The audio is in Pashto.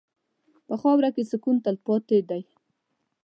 په خاوره کې سکون تلپاتې دی.